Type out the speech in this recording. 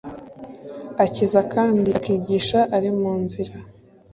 Akiza kandi akigisha ari mu nzira